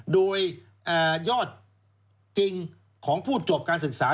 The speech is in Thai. โดยยอดจริงของผู้จบการศึกษา